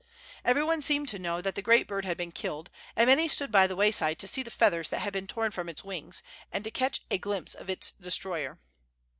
Every one seemed to know that the great bird had been killed, and many stood by the wayside to see the feathers that had been torn from its wings, and catch a glimpse of its destroyer.